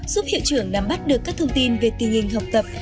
giúp hiệu trưởng nắm bắt được các thông tin về tình hình học tập